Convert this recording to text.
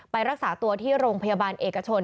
รักษาตัวที่โรงพยาบาลเอกชน